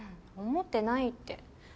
思ってないって。